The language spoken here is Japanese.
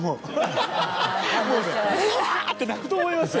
もうねぶわ！って泣くと思いますよ。